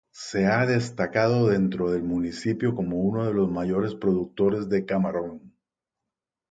Se ha destacado dentro del municipio como uno de los mayores productores de camarón.